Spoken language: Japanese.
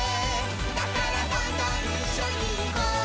「だからどんどんいっしょにいこう」